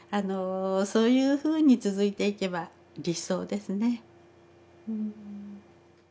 そういうふうに続いていけば理想ですね。